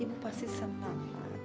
ibu pasti senang